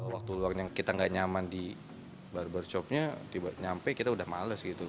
waktu luarnya kita nggak nyaman di barbershopnya tiba tiba nyampe kita udah males gitu